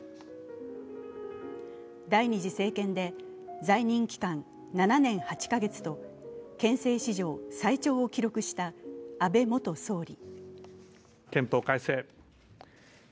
第２次政権で在任期間７年８か月と憲政史上最長を記録した安倍元総理。